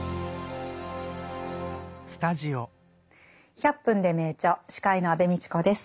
「１００分ｄｅ名著」司会の安部みちこです。